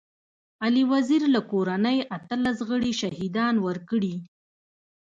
علي وزير له کورنۍ اتلس غړي شهيدان ورکړي.